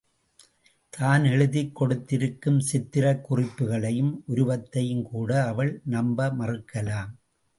தான் எழுதிக் கொடுத்திருக்கும் சித்திரக் குறிப்புகளையும் உருவத்தையும் கூட அவள் நம்ப மறுக்கலாம்.